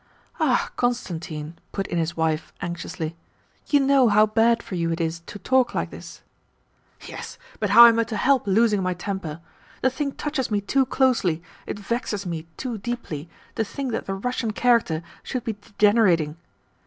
"Ah, Constantine," put in his wife anxiously, "you know how bad for you it is to talk like this." "Yes, but how am I to help losing my temper? The thing touches me too closely, it vexes me too deeply to think that the Russian character should be degenerating.